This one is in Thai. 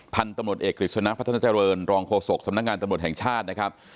พันธุ์ตำรวจเอกกฤษณะพัฒนาเจริญรองโฆษกสำนักงานตำรวจแห่งชาตินะครับ